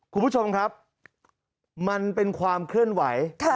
คุณผู้ชมครับมันเป็นความเคลื่อนไหว